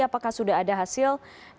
apakah sudah ada hasil